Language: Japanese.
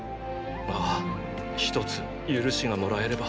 ああ一つ“ゆるし”がもらえれば。